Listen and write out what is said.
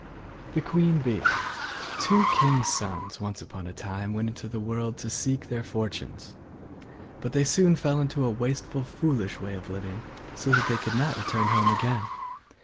THE QUEEN BEE Two kings' sons once upon a time went into the world to seek their fortunes; but they soon fell into a wasteful foolish way of living, so that they could not return home again.